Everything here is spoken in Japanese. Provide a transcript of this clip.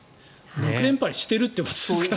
６連敗しているってことですからね。